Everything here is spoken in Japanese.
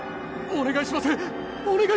お願いします！